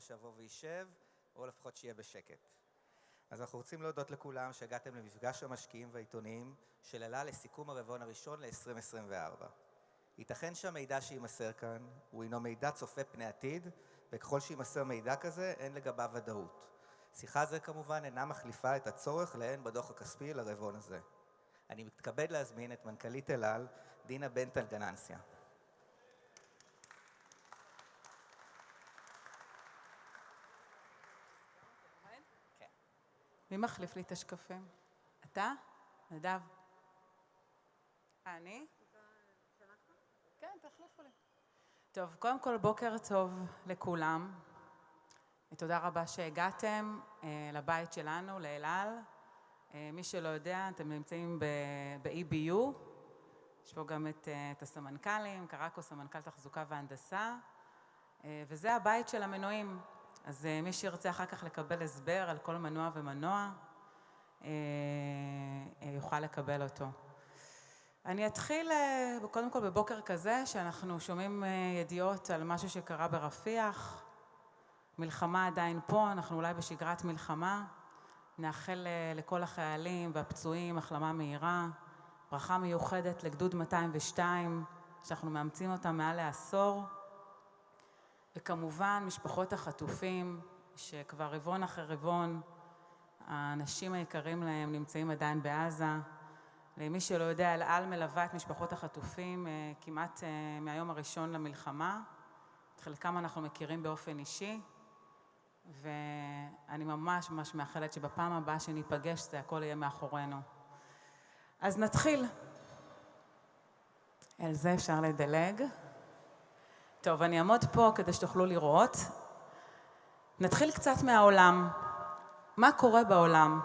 מאחורה שיבוא ויישב או לפחות שיהיה בשקט. אז אנחנו רוצים להודות לכולם שהגעתם למפגש המשקיעים והעיתונאים של אל על לסיכום הרבעון הראשון ל-2024. ייתכן שהמידע שיימסר כאן הוא הינו מידע צופה פני עתיד, וככל שיימסר מידע כזה אין לגביו ודאות. שיחה זו כמובן אינה מחליפה את הצורך לעיין בדוח הכספי לרבעון הזה. אני מתכבד להזמין את מנכ"לית אל על, דינה בן טל גננציה. כן. מי מחליף לי את המשקפיים? אתה? נדב. אני? תחליף לה. כן, תחליפו לי. טוב, קודם כל בוקר טוב לכולם. תודה רבה שהגעתם לבית שלנו, לאל על. מי שלא יודע, אתם נמצאים ב-EBU. יש פה גם את הסמנכ"לים. קרקו, סמנכ"ל תחזוקה והנדסה, וזה הבית של המנועים. מי שירצה אחר כך לקבל הסבר על כל מנוע ומנוע יוכל לקבל אותו. אני אתחיל קודם כל בבוקר כזה, שאנחנו שומעים ידיעות על משהו שקרה ברפיח. מלחמה עדיין פה. אנחנו אולי בשגרת מלחמה. נאחל לכל החיילים והפצועים החלמה מהירה. ברכה מיוחדת לגדוד 202, שאנחנו מאמצים אותם מעל לעשור. וכמובן משפחות החטופים, שכבר רבעון אחרי רבעון, האנשים היקרים להם נמצאים עדיין בעזה. למי שלא יודע, אל על מלווה את משפחות החטופים כמעט מהיום הראשון למלחמה. את חלקם אנחנו מכירים באופן אישי ואני ממש מאחלת שבפעם הבאה שניפגש זה הכל יהיה מאחורינו. נתחיל. על זה אפשר לדלג. טוב, אני אעמוד פה כדי שתוכלו לראות. נתחיל קצת מהעולם. מה קורה בעולם?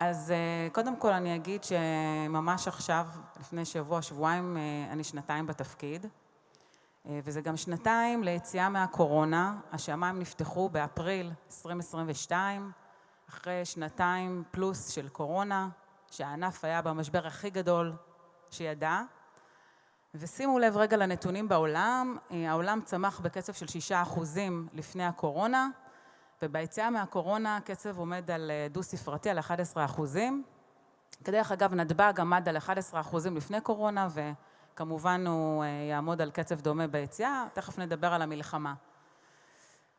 אז קודם כל אני אגיד שממש עכשיו, לפני שבוע שבועיים, אני שנתיים בתפקיד וזה גם שנתיים ליציאה מהקורונה. השמיים נפתחו באפריל 2022, אחרי שנתיים פלוס של קורונה, שהענף היה במשבר הכי גדול שידע. שימו לב רגע לנתונים בעולם. העולם צמח בקצב של 6% לפני הקורונה, וביציאה מהקורונה הקצב עומד על דו ספרתי על 11%. כדרך אגב, נתב"ג עמד על 11% לפני קורונה וכמובן הוא יעמוד על קצב דומה ביציאה. תכף נדבר על המלחמה.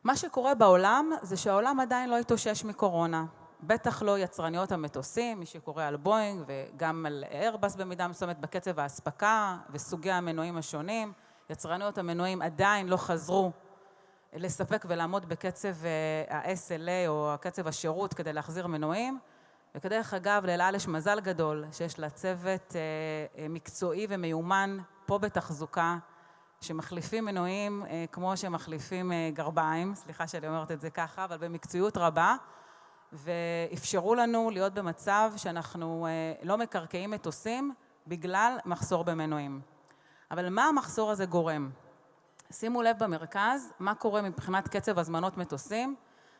מה שקורה בעולם זה שהעולם עדיין לא התאושש מקורונה. בטח לא יצרניות המטוסים. מי שקורא על בועינג וגם על איירבס במידה מסוימת, בקצב האספקה וסוגי המנועים השונים. יצרניות המנועים עדיין לא חזרו לספק ולעמוד בקצב ה-SLA או קצב השירות כדי להחזיר מנועים. דרך אגב, לאל על יש מזל גדול שיש לה צוות מקצועי ומיומן פה בתחזוקה, שמחליפים מנועים כמו שמחליפים גרביים. סליחה שאני אומרת את זה ככה, אבל במקצועיות רבה ואפשרו לנו להיות במצב שאנחנו לא מקרקעים מטוסים בגלל מחסור במנועים. אבל מה המחסור הזה גורם? שימו לב במרכז מה קורה מבחינת קצב הזמנות מטוסים.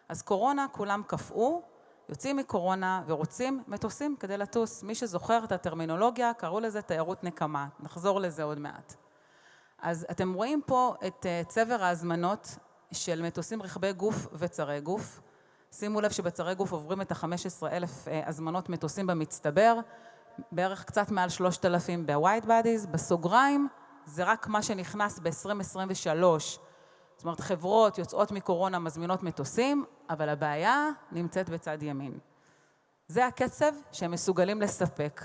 אז קורונה, כולם קפאו. יוצאים מקורונה ורוצים מטוסים כדי לטוס. מי שזוכר את הטרמינולוגיה, קראו לזה תיירות נקמה. נחזור לזה עוד מעט. אז אתם רואים פה את צבר ההזמנות של מטוסים רחבי גוף וצרי גוף. שימו לב שבצרי גוף עוברים את החמש עשרה אלף הזמנות מטוסים במצטבר, בערך קצת מעל שלושת אלפים ב-wide bodies. בסוגריים זה רק מה שנכנס ב-2023. זאת אומרת, חברות יוצאות מקורונה מזמינות מטוסים, אבל הבעיה נמצאת בצד ימין. זה הקצב שהם מסוגלים לספק.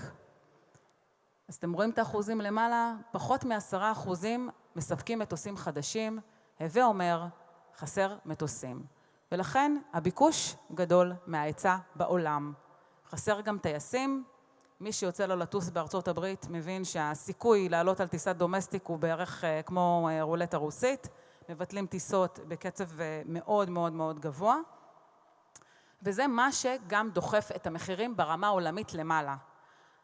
אז אתם רואים את האחוזים למעלה? פחות מ-10% מספקים מטוסים חדשים. הווה אומר, חסר מטוסים ולכן הביקוש גדול מההיצע בעולם. חסר גם טייסים. מי שיוצא לו לטוס בארצות הברית מבין שהסיכוי לעלות על טיסת דומסטיק הוא בערך כמו רולטה רוסית. מבטלים טיסות בקצב מאוד, מאוד, מאוד גבוה, וזה מה שגם דוחף את המחירים ברמה העולמית למעלה.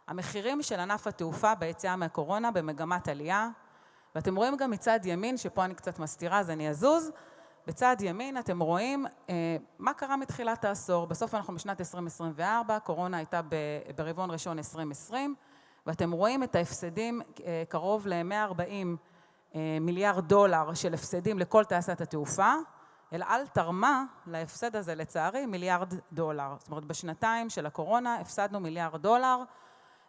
המחירים של ענף התעופה ביציאה מהקורונה במגמת עלייה ואתם רואים גם מצד ימין שפה אני קצת מסתירה, אז אני אזוז. בצד ימין אתם רואים מה קרה מתחילת העשור. בסוף אנחנו בשנת 2024, קורונה הייתה ברבעון ראשון 2020, ואתם רואים את ההפסדים. קרוב ל-$140 מיליארד של הפסדים לכל תעשיית התעופה. אל על תרמה להפסד הזה, לצערי, $1 מיליארד. זאת אומרת, בשנתיים של הקורונה הפסדנו $1 מיליארד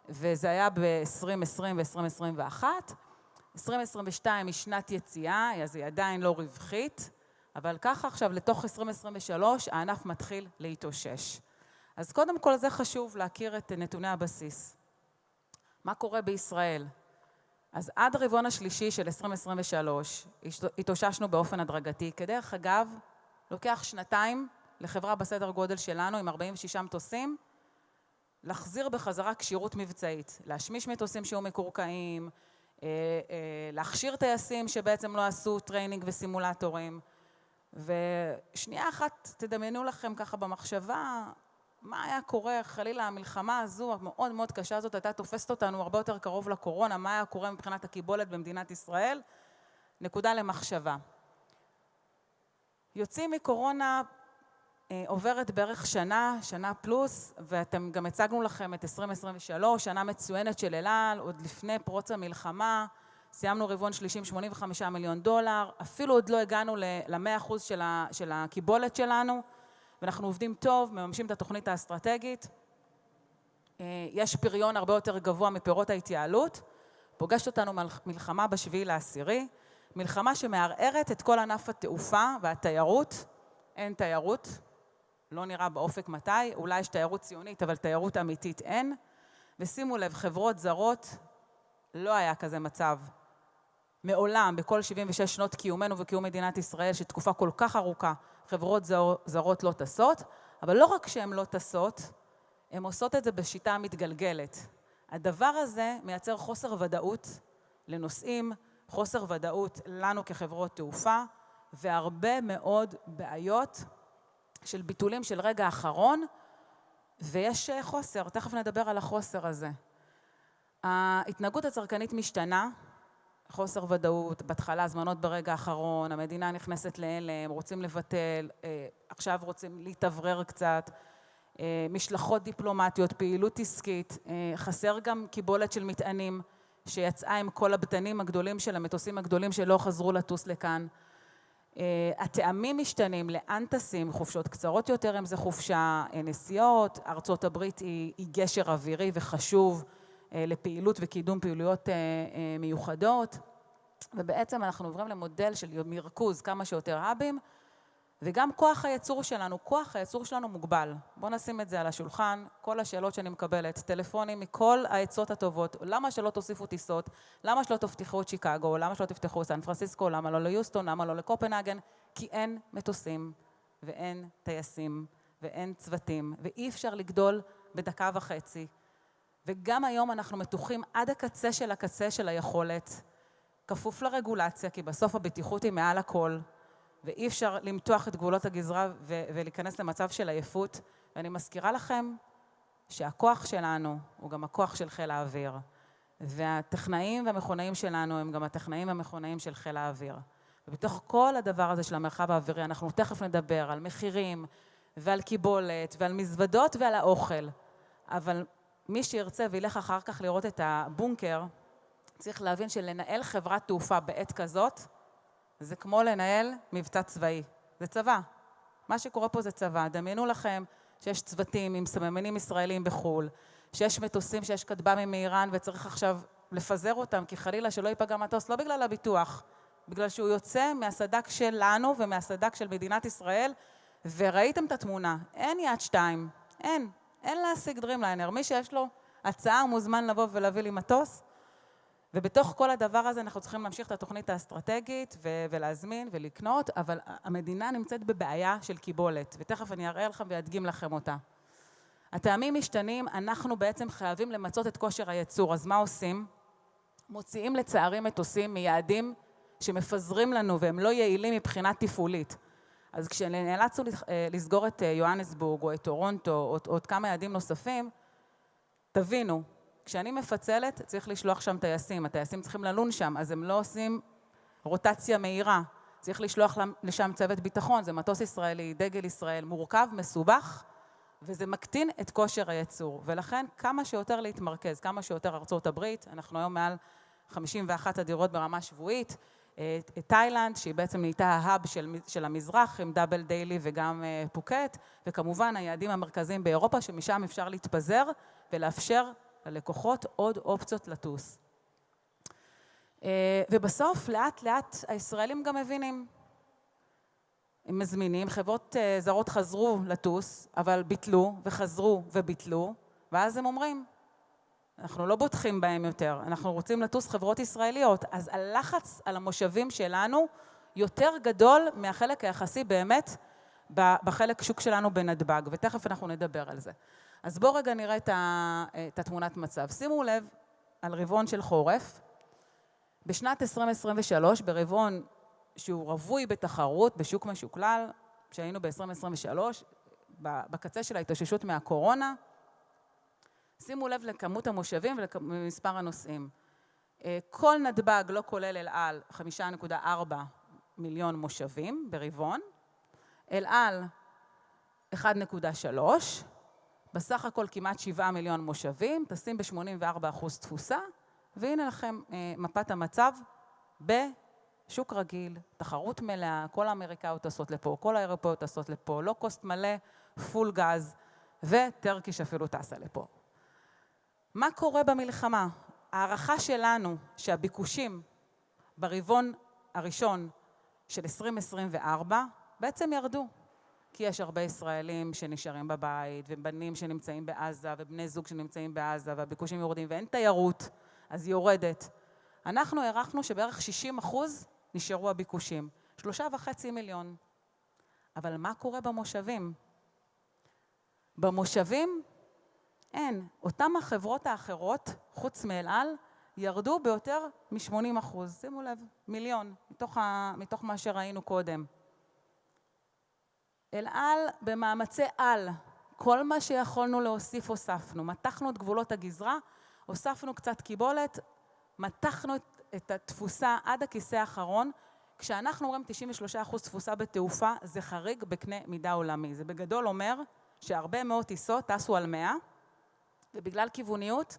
וזה היה ב-2020 ו-2021. 2022 היא שנת יציאה, אז היא עדיין לא רווחית. אבל עכשיו, לתוך 2023, הענף מתחיל להתאושש. קודם כל זה חשוב להכיר את נתוני הבסיס. מה קורה בישראל? אז עד הרבעון השלישי של 2023 התאוששנו באופן הדרגתי. כדרך אגב, לוקח שנתיים לחברה בסדר גודל שלנו, עם 46 מטוסים, להחזיר בחזרה כשירות מבצעית, להשמיש מטוסים שהיו מקורקעים, להכשיר טייסים שבעצם לא עשו טריינינג וסימולטורים. ושנייה אחת תדמיינו לכם במחשבה, מה היה קורה חלילה המלחמה הזו, המאוד קשה הזאת, הייתה תופסת אותנו הרבה יותר קרוב לקורונה? מה היה קורה מבחינת הקיבולת במדינת ישראל? נקודה למחשבה. יוצאים מקורונה, עוברת בערך שנה, שנה פלוס, ואתם גם הצגנו לכם את 2023, שנה מצוינת של אל על. עוד לפני פרוץ המלחמה סיימנו רבעון שלישי עם $85 מיליון. אפילו עוד לא הגענו ל-100% של הקיבולת שלנו ואנחנו עובדים טוב, מממשים את התוכנית האסטרטגית. יש פריון הרבה יותר גבוה מפירות ההתייעלות. פוגשת אותנו מלחמה בשביעי לאוקטובר, מלחמה שמערערת את כל ענף התעופה והתיירות. אין תיירות. לא נראה באופק מתי. אולי יש תיירות ציונית, אבל תיירות אמיתית אין. ושימו לב, חברות זרות, לא היה כזה מצב מעולם. בכל שבעים ושש שנות קיומנו וקיום מדינת ישראל, שתקופה כל כך ארוכה חברות זרות לא טסות. אבל לא רק שהן לא טסות, הן עושות את זה בשיטה מתגלגלת. הדבר הזה מייצר חוסר ודאות לנוסעים, חוסר ודאות לנו כחברות תעופה והרבה מאוד בעיות של ביטולים של רגע האחרון, ויש חוסר. תכף נדבר על החוסר הזה. ההתנהגות הצרכנית משתנה, חוסר ודאות. בהתחלה הזמנות ברגע האחרון המדינה נכנסת להלם. רוצים לבטל, עכשיו רוצים להתאוורר קצת. משלחות דיפלומטיות, פעילות עסקית. חסר גם קיבולת של מטענים שיצאה עם כל הבטנים הגדולים של המטוסים הגדולים שלא חזרו לטוס לכאן. הטעמים משתנים לאן טסים? חופשות קצרות יותר אם זה חופשה, נסיעות. ארצות הברית היא גשר אווירי וחשוב לפעילות וקידום פעילויות מיוחדות. ובעצם אנחנו עוברים למודל של מרכז כמה שיותר האבים וגם כוח הייצור שלנו, כוח הייצור שלנו מוגבל. בואו נשים את זה על השולחן. כל השאלות שאני מקבלת, טלפונים מכל העצות הטובות. למה שלא תוסיפו טיסות? למה שלא תפתחו שיקגו? למה שלא תפתחו סן פרנסיסקו? למה לא ליוסטון? למה לא לקופנהגן? כי אין מטוסים ואין טייסים ואין צוותים ואי אפשר לגדול בדקה וחצי. גם היום אנחנו מתוחים עד הקצה של הקצה של היכולת, כפוף לרגולציה, כי בסוף הבטיחות היא מעל הכל ואי אפשר למתוח את גבולות הגזרה ולהיכנס למצב של עייפות. אני מזכירה לכם שהכוח שלנו הוא גם הכוח של חיל האוויר, והטכנאים והמכונאים שלנו הם גם הטכנאים והמכונאים של חיל האוויר. בתוך כל הדבר הזה של המרחב האווירי, אנחנו תכף נדבר על מחירים ועל קיבולת ועל מזוודות ועל האוכל. אבל מי שירצה וילך אחר כך לראות את הבונקר, צריך להבין שלנהל חברת תעופה בעת כזאת זה כמו לנהל מבצע צבאי. זה צבא. מה שקורה פה זה צבא. דמיינו לכם שיש צוותים עם מסמנים ישראלים בחו"ל, שיש מטוסים, שיש כטב"ם מאיראן וצריך עכשיו לפזר אותם כי חלילה שלא ייפגע מטוס. לא בגלל הביטוח, בגלל שהוא יוצא מהסדק שלנו ומהסדק של מדינת ישראל. וראיתם את התמונה. אין יעד שתיים. אין. אין להשיג דרימליינר. מי שיש לו הצעה מוזמן לבוא ולהביא לי מטוס, ובתוך כל הדבר הזה אנחנו צריכים להמשיך את התוכנית האסטרטגית ולהזמין ולקנות. אבל המדינה נמצאת בבעיה של קיבולת ותכף אני אראה לכם ואדגים לכם אותה. הטעמים משתנים. אנחנו בעצם חייבים למצות את כושר הייצור. אז מה עושים? מוציאים לצערנו מטוסים מיעדים שמפזרים לנו והם לא יעילים מבחינה תפעולית. אז כשנאלצנו לסגור את יוהנסבורג או את טורונטו או עוד כמה יעדים נוספים, תבינו, כשאני מפצלת צריך לשלוח שם טייסים. הטייסים צריכים ללון שם, אז הם לא עושים רוטציה מהירה. צריך לשלוח לשם צוות ביטחון. זה מטוס ישראלי, דגל ישראל מורכב, מסובך וזה מקטין את כושר הייצור ולכן כמה שיותר להתמרכז כמה שיותר ארצות הברית. אנחנו היום מעל 51 הדירות ברמה שבועית. תאילנד, שהיא בעצם נהייתה ההאב של המזרח עם דאבל דיילי וגם פוקט, וכמובן היעדים המרכזיים באירופה, שמשם אפשר להתפזר ולאפשר ללקוחות עוד אופציות לטוס. בסוף לאט לאט הישראלים גם מבינים. הם מזמינים. חברות זרות חזרו לטוס אבל ביטלו וחזרו וביטלו. אז הם אומרים אנחנו לא בוטחים בהם יותר. אנחנו רוצים לטוס חברות ישראליות, אז הלחץ על המושבים שלנו יותר גדול מהחלק היחסי באמת בחלק שוק שלנו בנתב"ג, ותכף אנחנו נדבר על זה. בואו רגע נראה את התמונת מצב. שימו לב על רבעון של חורף בשנת 2023, ברבעון שהוא רווי בתחרות בשוק משוקלל, כשהיינו ב-2023, בקצה של ההתאוששות מהקורונה. שימו לב לכמות המושבים ולמספר הנוסעים. כל נתב"ג, לא כולל אל על, חמישה נקודה ארבע מיליון מושבים ברבעון. אל על אחד נקודה שלוש. בסך הכל כמעט שבעה מיליון מושבים. טסים בשמונים וארבע אחוז תפוסה. והנה לכם מפת המצב בשוק רגיל. תחרות מלאה. כל האמריקאיות טסות לפה, כל האירופאיות טסות לפה. לואו קוסט מלא, פול גז וטורקיה שאפילו טסה לפה. מה קורה במלחמה? ההערכה שלנו שהביקושים ברבעון הראשון של עשרים עשרים וארבע בעצם ירדו, כי יש הרבה ישראלים שנשארים בבית ובנים שנמצאים בעזה ובני זוג שנמצאים בעזה, והביקושים יורדים ואין תיירות אז יורדת. אנחנו הערכנו שבערך שישים אחוז נשארו הביקושים שלושה וחצי מיליון. אבל מה קורה במושבים? במושבים אין. אותם החברות האחרות, חוץ מאל על, ירדו ביותר משמונים אחוז. שימו לב, מיליון מתוך מה שראינו קודם. אל על במאמצי על. כל מה שיכולנו להוסיף הוספנו. מתחנו את גבולות הגזרה, הוספנו קצת קיבולת. מתחנו את התפוסה עד הכיסא האחרון. כשאנחנו רואים 93% תפוסה בתעופה, זה חריג בקנה מידה עולמי. זה בגדול אומר שהרבה מאוד טיסות טסו על 100% ובגלל כיווניות,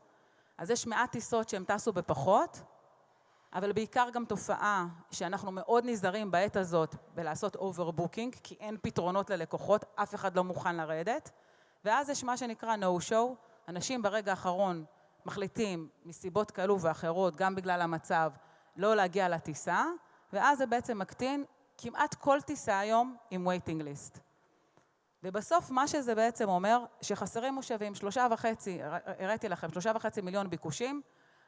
אז יש מעט טיסות שהן טסו בפחות. אבל בעיקר גם תופעה שאנחנו מאוד נזהרים בעת הזאת בלעשות אובר בוקינג כי אין פתרונות ללקוחות. אף אחד לא מוכן לרדת. ואז יש מה שנקרא נו שואו. אנשים ברגע האחרון מחליטים מסיבות כאלו ואחרות, גם בגלל המצב, לא להגיע לטיסה ואז זה בעצם מקטין. כמעט כל טיסה היום עם וויטינג ליסט ובסוף מה שזה בעצם אומר שחסרים מושבים. 3.5, הראיתי לכם 3.5 מיליון ביקושים.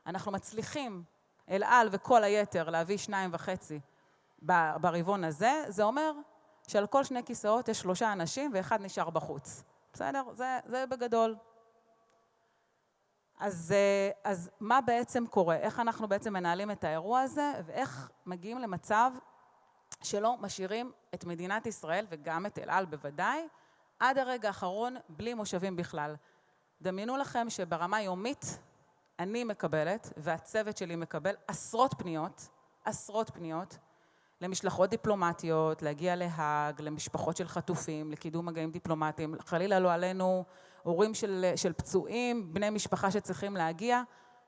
אנחנו מצליחים, אל על וכל היתר, להביא 2.5 ברבעון הזה. זה אומר שעל כל שני כיסאות יש שלושה אנשים ואחד נשאר בחוץ. בסדר, זה זה בגדול. מה בעצם קורה? איך אנחנו בעצם מנהלים את האירוע הזה ואיך מגיעים למצב שלא משאירים את מדינת ישראל וגם את אל על בוודאי עד הרגע האחרון, בלי מושבים בכלל? דמיינו לכם שברמה היומית אני מקבלת והצוות שלי מקבל עשרות פניות, עשרות פניות למשלחות דיפלומטיות להגיע להאג, למשפחות של חטופים, לקידום מגעים דיפלומטיים. חלילה לא עלינו, הורים של פצועים, בני משפחה שצריכים להגיע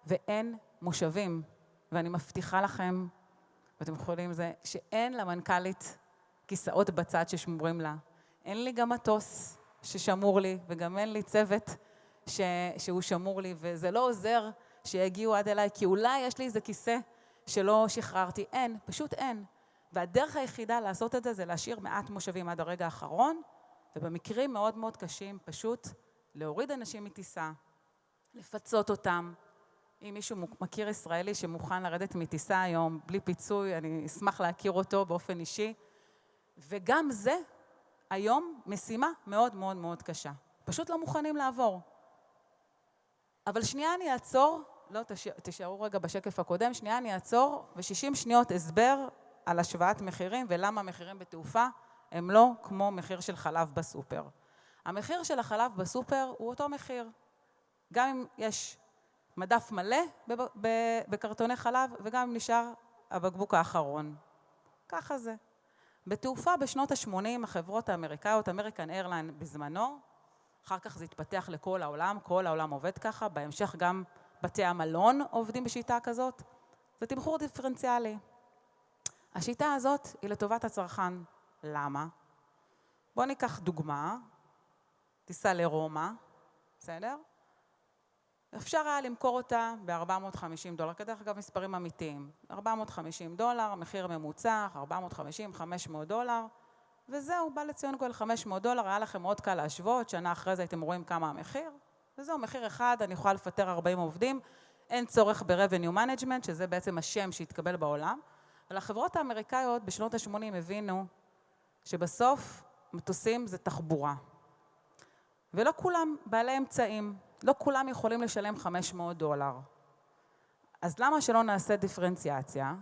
ואין מושבים. ואני מבטיחה לכם, ואתם יכולים זה, שאין למנכ"לית כיסאות בצד ששמורים לה. אין לי גם מטוס ששמור לי וגם אין לי צוות שהוא שמור לי וזה לא עוזר שיגיעו עד אליי, כי אולי יש לי איזה כיסא שלא שחררתי. אין. פשוט אין. והדרך היחידה לעשות את זה זה להשאיר מעט מושבים עד הרגע האחרון ובמקרים מאוד, מאוד קשים פשוט להוריד אנשים מטיסה, לפצות אותם. אם מישהו מכיר ישראלי שמוכן לרדת מטיסה היום בלי פיצוי, אני אשמח להכיר אותו באופן אישי וגם זה היום משימה מאוד, מאוד, מאוד קשה. פשוט לא מוכנים לעבור. אבל שנייה, אני אעצור. לא, תישארו רגע בשקף הקודם. שנייה, אני אעצור ושישים שניות הסבר על השוואת מחירים ולמה המחירים בתעופה הם לא כמו מחיר של חלב בסופר. המחיר של החלב בסופר הוא אותו מחיר, גם אם יש מדף מלא בקרטוני חלב וגם אם נשאר הבקבוק האחרון. ככה זה. בתעופה בשנות השמונים החברות האמריקאיות, אמריקן איירליינס בזמנו, אחר כך זה התפתח לכל העולם. כל העולם עובד ככה. בהמשך גם בתי המלון עובדים בשיטה כזאת. זה תמחור דיפרנציאלי. השיטה הזאת היא לטובת הצרכן. למה? בוא ניקח דוגמה. טיסה לרומא. בסדר, אפשר היה למכור אותה ב-$450. כדרך אגב, מספרים אמיתיים. $450. מחיר ממוצע $450, $500 וזהו. בא לציון כל $500. היה לכם מאוד קל להשוות. שנה אחרי זה הייתם רואים כמה המחיר וזהו. מחיר אחד. אני יכולה לפטר ארבעים עובדים. אין צורך ב-revenue management, שזה בעצם השם שהתקבל בעולם, אבל החברות האמריקאיות בשנות השמונים הבינו שבסוף מטוסים זה תחבורה ולא כולם בעלי אמצעים. לא כולם יכולים לשלם $500, אז למה שלא נעשה דיפרנציאציה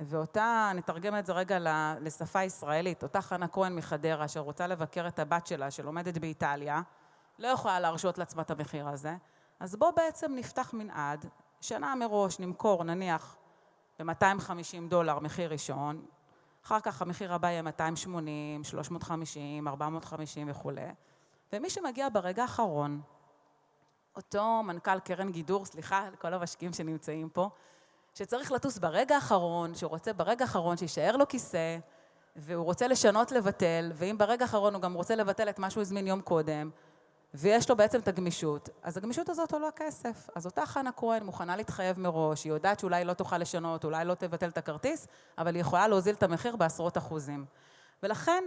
ואותה - נתרגם את זה רגע לשפה ישראלית. אותה חנה כהן מחדרה, שרוצה לבקר את הבת שלה שלומדת באיטליה, לא יכולה להרשות לעצמה את המחיר הזה. אז בוא בעצם נפתח מנעד שנה מראש נמכור נניח ב-$250 מחיר ראשון. אחר כך המחיר הבא יהיה $280, $350, $450 וכולי. ומי שמגיע ברגע האחרון, אותו מנכ"ל קרן גידור - סליחה על כל המשקיעים שנמצאים פה - שצריך לטוס ברגע האחרון, שהוא רוצה ברגע האחרון שיישאר לו כיסא והוא רוצה לשנות, לבטל, ואם ברגע האחרון הוא גם רוצה לבטל את מה שהוא הזמין יום קודם ויש לו בעצם את הגמישות, אז הגמישות הזאת עולה כסף. אז אותה חנה כהן מוכנה להתחייב מראש. היא יודעת שאולי לא תוכל לשנות, אולי לא תבטל את הכרטיס, אבל היא יכולה להוזיל את המחיר בעשרות אחוזים. ולכן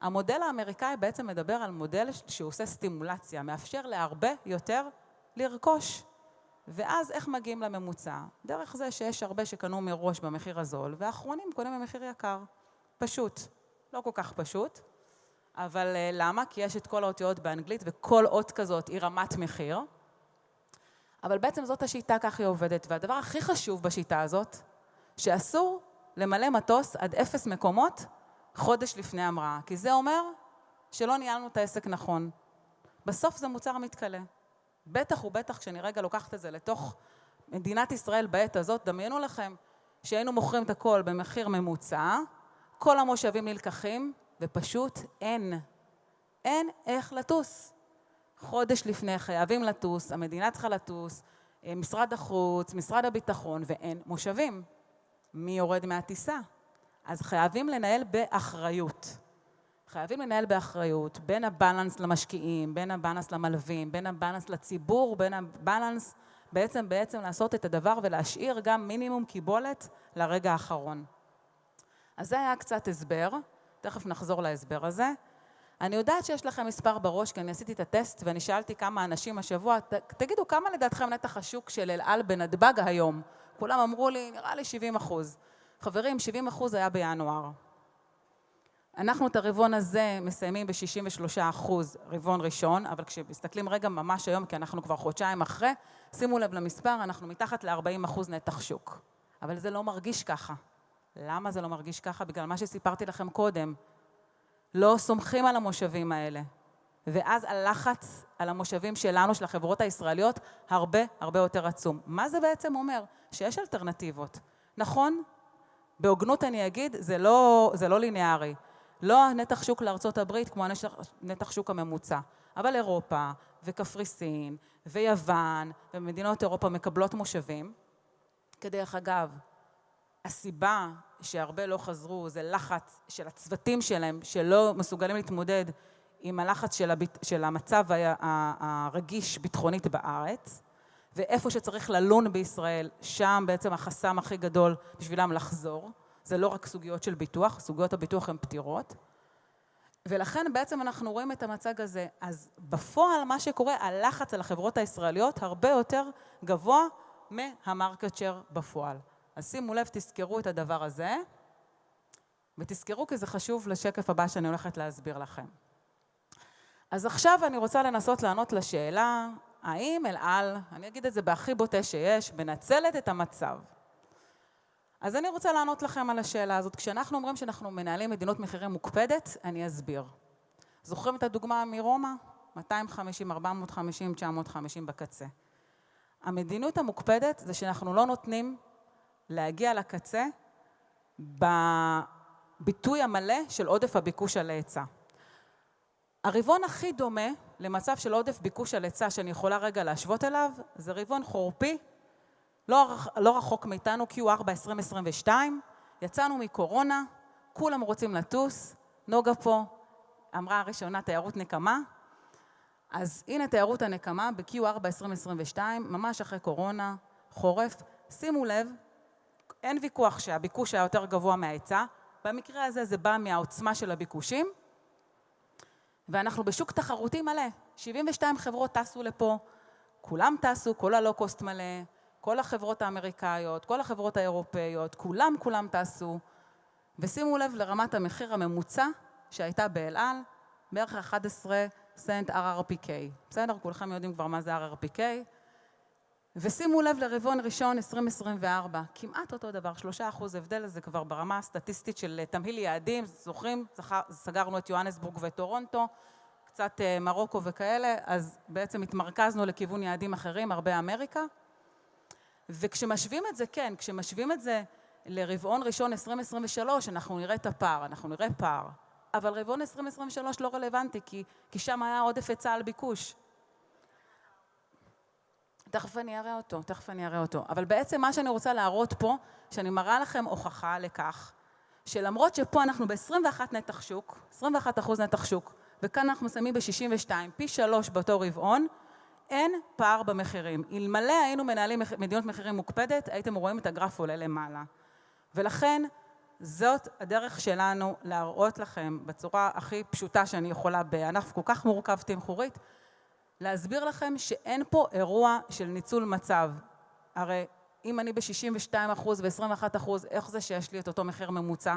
המודל האמריקאי בעצם מדבר על מודל שעושה סטימולציה, מאפשר להרבה יותר לרכוש. איך מגיעים לממוצע? דרך זה שיש הרבה שקנו מראש במחיר הזול והאחרונים קונים במחיר יקר. פשוט. לא כל כך פשוט, למה? כי יש את כל האותיות באנגלית וכל אות כזאת היא רמת מחיר. בעצם זאת השיטה, ככה היא עובדת. והדבר הכי חשוב בשיטה הזאת, שאסור למלא מטוס עד אפס מקומות חודש לפני ההמראה, כי זה אומר שלא ניהלנו את העסק נכון. בסוף זה מוצר מתכלה. בטח ובטח כשאני רגע לוקחת את זה לתוך מדינת ישראל בעת הזאת. דמיינו לכם שהיינו מוכרים את הכל במחיר ממוצע. כל המושבים נלקחים ופשוט אין. אין איך לטוס. חודש לפני חייבים לטוס. המדינה צריכה לטוס. משרד החוץ, משרד הביטחון ואין מושבים. מי יורד מהטיסה? חייבים לנהל באחריות. חייבים לנהל באחריות בין הבאלאנס למשקיעים, בין הבאלאנס למלווים, בין הבאלאנס לציבור, בין הבאלאנס - בעצם לעשות את הדבר ולהשאיר גם מינימום קיבולת לרגע האחרון. זה היה קצת הסבר. תכף נחזור להסבר הזה. אני יודעת שיש לכם מספר בראש, כי אני עשיתי את הטסט ואני שאלתי כמה אנשים השבוע תגידו כמה לדעתכם נתח השוק של אל על בנתב"ג היום? כולם אמרו לי נראה לי שבעים אחוז. חברים, שבעים אחוז היה בינואר. אנחנו את הרבעון הזה מסיימים בשישים ושלושה אחוז רבעון ראשון. אבל כשמסתכלים רגע היום, כי אנחנו כבר חודשיים אחרי, שימו לב למספר - אנחנו מתחת לארבעים אחוז נתח שוק, אבל זה לא מרגיש ככה. למה זה לא מרגיש ככה? בגלל מה שסיפרתי לכם קודם. לא סומכים על המושבים האלה, ואז הלחץ על המושבים שלנו, של החברות הישראליות, הרבה הרבה יותר עצום. מה זה בעצם אומר? שיש אלטרנטיבות. נכון, בהוגנות אני אגיד זה לא ליניארי. לא נתח השוק לארצות הברית כמו הנתח, נתח השוק הממוצע, אבל אירופה וקפריסין ויוון ומדינות אירופה מקבלות מושבים. כדרך אגב, הסיבה שהרבה לא חזרו זה לחץ של הצוותים שלהם שלא מסוגלים להתמודד עם הלחץ של המצב הרגיש ביטחונית בארץ, ואיפה שצריך ללון בישראל, שם בעצם החסם הכי גדול בשבילם לחזור. זה לא רק סוגיות של ביטוח. סוגיות הביטוח הן פתירות, ולכן בעצם אנחנו רואים את המצב הזה. אז בפועל, מה שקורה, הלחץ על החברות הישראליות הרבה יותר גבוה מהמרקט שייר בפועל. אז שימו לב, תזכרו את הדבר הזה ותזכרו כי זה חשוב לשקף הבא שאני הולכת להסביר לכם. אז עכשיו אני רוצה לנסות לענות לשאלה האם אל על, אני אגיד את זה בהכי בוטה שיש, מנצלת את המצב? אז אני רוצה לענות לכם על השאלה הזאת. כשאנחנו אומרים שאנחנו מנהלים מדיניות מחירים מוקפדת, אני אסביר. זוכרים את הדוגמה מרומא? מאתיים חמישים, ארבע מאות חמישים, תשע מאות חמישים בקצה. המדיניות המוקפדת זה שאנחנו לא נותנים להגיע לקצה בביטוי המלא של עודף הביקוש על ההיצע. הרבעון הכי דומה למצב של עודף ביקוש על היצע שאני יכולה רגע להשוות אליו זה רבעון חורפי לא רחוק, לא רחוק מאיתנו, Q4 2022. יצאנו מקורונה, כולם רוצים לטוס. נגה פה אמרה הראשונה תיירות נקמה. אז הנה תיירות הנקמה ב-Q4 2022, ממש אחרי קורונה, חורף. שימו לב, אין ויכוח שהביקוש היה יותר גבוה מההיצע. במקרה הזה זה בא מהעוצמה של הביקושים ואנחנו בשוק תחרותי מלא. שבעים ושתיים חברות טסו לפה, כולם טסו, כל הלואו קוסט מלא, כל החברות האמריקאיות, כל החברות האירופאיות, כולם, כולם טסו. ושימו לב לרמת המחיר הממוצע שהייתה באל על, בערך אחד עשר סנט RRPK. בסדר, כולכם יודעים כבר מה זה RRPK. ושימו לב לרבעון ראשון 2024. כמעט אותו דבר. שלושה אחוזים הבדל זה כבר ברמה הסטטיסטית של תמהיל יעדים. זוכרים? סגרנו את יוהנסבורג וטורונטו, קצת מרוקו וכאלה. אז בעצם התמרכזנו לכיוון יעדים אחרים, הרבה אמריקה. כשמשווים את זה, כן, כשמשווים את זה לרבעון ראשון 2023, אנחנו נראה את הפער. אנחנו נראה פער, אבל רבעון 2023 לא רלוונטי כי שם היה עודף היצע על ביקוש. תכף אני אראה אותו, תכף אני אראה אותו, אבל בעצם מה שאני רוצה להראות פה שאני מראה לכם הוכחה לכך שלמרות שפה אנחנו ב-21% נתח שוק, 21% נתח שוק, וכאן אנחנו שמים ב-62%, פי שלוש באותו רבעון, אין פער במחירים. אלמלא היינו מנהלים מדיניות מחירים מוקפדת, הייתם רואים את הגרף עולה למעלה, ולכן זאת הדרך שלנו להראות לכם בצורה הכי פשוטה שאני יכולה בענף כל כך מורכב תמחורית, להסביר לכם שאין פה אירוע של ניצול מצב. הרי אם אני בשישים ושתיים אחוז ועשרים ואחת אחוז, איך זה שיש לי את אותו מחיר ממוצע?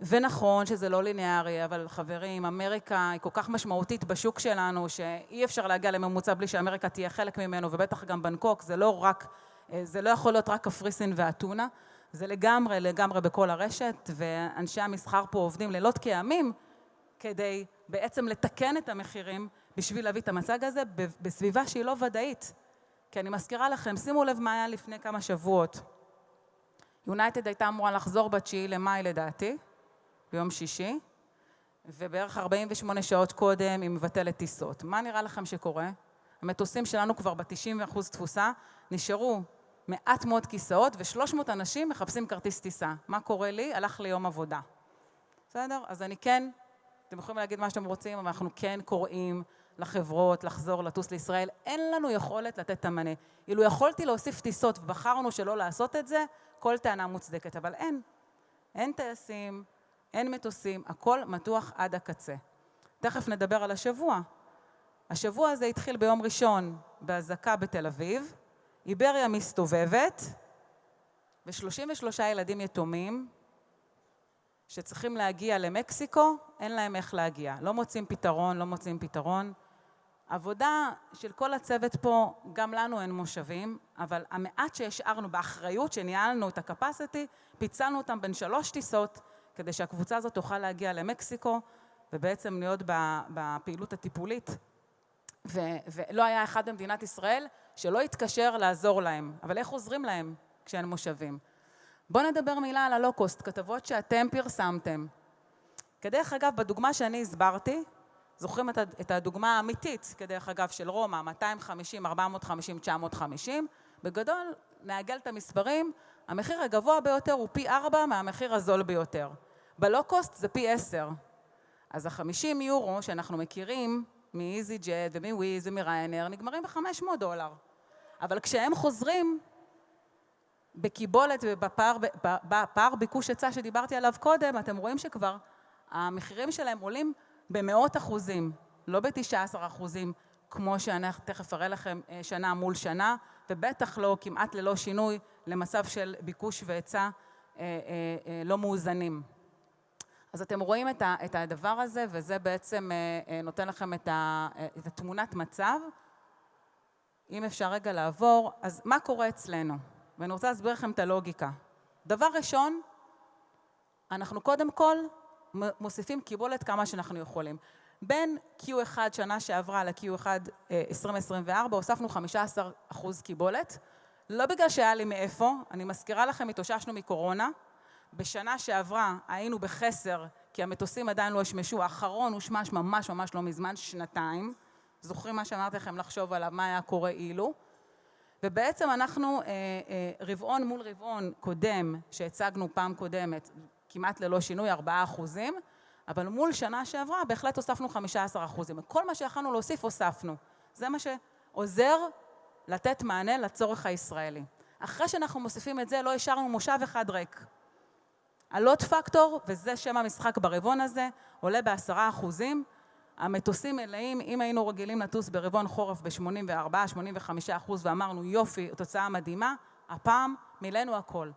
ונכון שזה לא ליניארי, אבל חברים, אמריקה היא כל כך משמעותית בשוק שלנו שאי אפשר להגיע לממוצע בלי שאמריקה תהיה חלק ממנו, ובטח גם בבנגקוק. זה לא רק - זה לא יכול להיות רק קפריסין ואתונה. זה לגמרי, לגמרי בכל הרשת, ואנשי המסחר פה עובדים לילות כימים כדי בעצם לתקן את המחירים בשביל להביא את המצב הזה בסביבה שהיא לא ודאית. כי אני מזכירה לכם, שימו לב מה היה לפני כמה שבועות. יונייטד הייתה אמורה לחזור בתשיעי למאי לדעתי, ביום שישי, ובערך ארבעים ושמונה שעות קודם היא מבטלת טיסות. מה נראה לכם שקורה? המטוסים שלנו כבר בתשעים אחוז תפוסה. נשארו מעט מאוד כיסאות ושלוש מאות אנשים מחפשים כרטיס טיסה. מה קורה לי? הלך לי יום עבודה. בסדר, אז אני כן, אתם יכולים להגיד מה שאתם רוצים, אבל אנחנו כן קוראים לחברות לחזור לטוס לישראל. אין לנו יכולת לתת את המענה. אילו יכולתי להוסיף טיסות ובחרנו שלא לעשות את זה, כל טענה מוצדקת, אבל אין. אין טייסים, אין מטוסים, הכול מתוח עד הקצה. תכף נדבר על השבוע. השבוע הזה התחיל ביום ראשון באזעקה בתל אביב. איבריה מסתובבת ושלושים ושלושה ילדים יתומים שצריכים להגיע למקסיקו, אין להם איך להגיע. לא מוצאים פתרון, לא מוצאים פתרון. עבודה של כל הצוות פה, גם לנו אין מושבים, אבל המעט שהשארנו באחריות שניהלנו את הקפסיטי, פיצלנו אותם בין שלוש טיסות כדי שהקבוצה הזאת תוכל להגיע למקסיקו ובעצם להיות בפעילות הטיפולית. ולא היה אחד במדינת ישראל שלא התקשר לעזור להם. אבל איך עוזרים להם כשאין מושבים? בואו נדבר מילה על הלואו קוסט, כתבות שאתם פרסמתם. כדרך אגב, בדוגמה שאני הסברתי, זוכרים את הדוגמה האמיתית כדרך אגב, של רומא ₪250, ₪450, ₪950. בגדול מעגל את המספרים. המחיר הגבוה ביותר הוא פי ארבע מהמחיר הזול ביותר. בלואו קוסט זה פי עשר. אז החמישים יורו שאנחנו מכירים מאיזי ג'ט ומוויז ומריאנייר נגמרים בחמש מאות דולר. אבל כשהם חוזרים בקיבולת ובפער, בפער ביקוש היצע שדיברתי עליו קודם, אתם רואים שכבר המחירים שלהם עולים במאות אחוזים, לא בתשעה עשר אחוזים, כמו שאני תכף אראה לכם שנה מול שנה, ובטח לא כמעט ללא שינוי למצב של ביקוש והיצע לא מאוזנים. אז אתם רואים את הדבר הזה, וזה בעצם נותן לכם את תמונת המצב. אם אפשר רגע לעבור. אז מה קורה אצלנו? ואני רוצה להסביר לכם את הלוגיקה. דבר ראשון, אנחנו קודם כל מוסיפים קיבולת כמה שאנחנו יכולים. בין Q1 שנה שעברה ל-Q1 2024 הוספנו 15% קיבולת. לא בגלל שהיה לי מאיפה. אני מזכירה לכם, התאוששנו מקורונה. בשנה שעברה היינו בחסר כי המטוסים עדיין לא הושמשו. האחרון הושמש ממש לא מזמן, שנתיים. זוכרים מה שאמרתי לכם לחשוב עליו? מה היה קורה אילו? ובעצם אנחנו רבעון מול רבעון קודם, שהצגנו פעם קודמת כמעט ללא שינוי 4%, אבל מול שנה שעברה בהחלט הוספנו 15%. כל מה שיכולנו להוסיף הוספנו. זה מה שעוזר לתת מענה לצורך הישראלי. אחרי שאנחנו מוסיפים את זה, לא השארנו מושב אחד ריק. ה-load factor, וזה שם המשחק ברבעון הזה, עולה ב-10%. המטוסים מלאים. אם היינו רגילים לטוס ברבעון חורף ב-84%, 85% ואמרנו יופי, תוצאה מדהימה. הפעם מילאנו הכל.